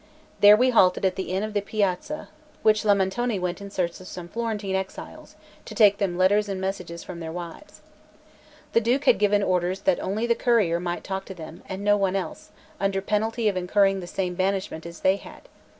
There we halted at the inn of the Piazza, which Lamentone went in search of some Florentine exiles, to take them letters and messages from their wives. The Duke had given orders that only the courier might talk to them, and no one else, under penalty of incurring the same banishment as they had.